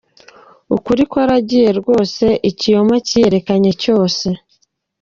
Ukuri kwaragiye rwose, ikinyoma cyiyerekanye cyose.